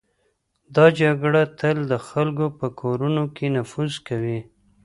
دا جګړه تل د خلکو په کورونو کې نفوذ کوي.